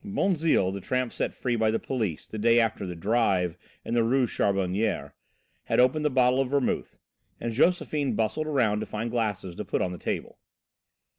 Bonzille, the tramp set free by the police the day after the "drive" in the Rue Charbonnière, had opened the bottle of vermouth, and Josephine bustled around to find glasses to put on the table.